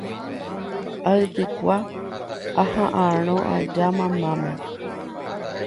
aitykua aha'arõ aja mamáme